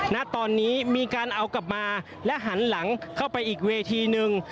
ณตอนนี้มีการเอากลับมาและหันหลังเข้าไปอีกเวทีนึง